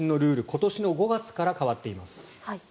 今年の５月から変わっています。